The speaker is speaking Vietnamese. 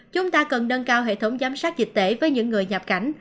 chúng ta cần nâng cao hệ thống giám sát dịch tễ với những người nhập cảnh